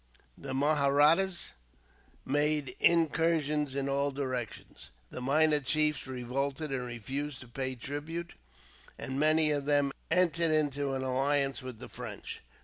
The Mahrattas made incursions in all directions. The minor chiefs revolted and refused to pay tribute, and many of them entered into alliance with the French.